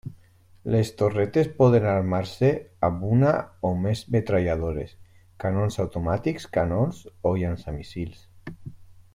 Les torretes poden armar-se amb una o més metralladores, canons automàtics, canons o llançamíssils.